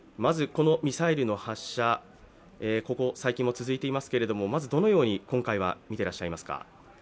このミサイルの発射、ここ最近も続いていますけれどもまずどのように今回は見ていらっしゃいますか？